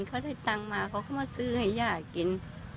เขาได้ตังค์มาเขาก็มาซื้อให้ย่ากิน